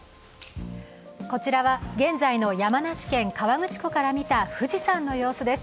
こちらは現在の山梨県の河口湖から見た富士山の様子です。